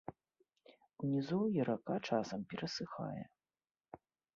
У нізоўі рака часам перасыхае.